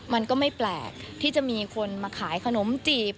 มันก็ไม่แปลกที่จะมีคนมาขายขนมจีบ